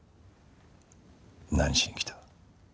何しに来た？